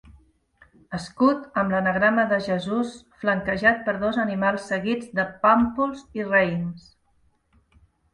Escut amb l’anagrama de Jesús flanquejat per dos animals seguits de pàmpols i raïms.